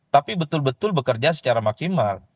tapi betul betul bekerja secara maksimal